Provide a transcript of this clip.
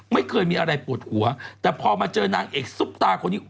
ไม่เคยมีอะไรปวดหัวแต่พอมาเจอนางเอกซุปตาคนนี้